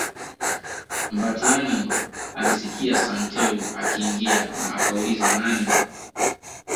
Mbatiany alisikia Santeu akiingia na akauliza nani